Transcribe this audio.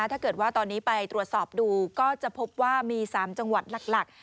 ถ้าเกิดว่าตอนนี้ไปตรวจสอบดูก็จะพบว่ามี๓จังหวัดหลัก